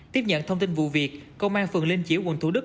tiếp nhận thông tin vụ việc công an phường linh chiểu quận thủ đức